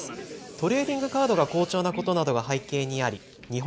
トレーディングカードが好調なことなどが背景にあり日本